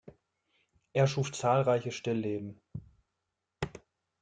Er schuf zahlreiche Stillleben.